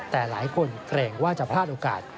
แต่หลายคนเกรงว่าจะพลาดโอกาส